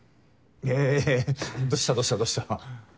えどうしたどうしたどうした？